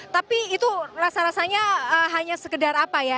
tapi itu rasa rasanya hanya sekedar apa ya